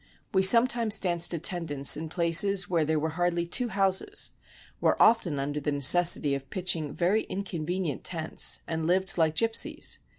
We sometimes danced attendance in places where there were hardly two houses, were often under the necessity of pitching very inconvenient tents, and lived like gyp sies.